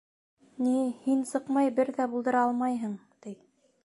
— Ни, һин сыҡмай бер ҙә булдыра алмайһың, ти.